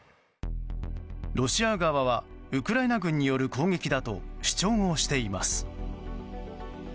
ロシア側はウクライナ軍による攻撃だと主張をしています。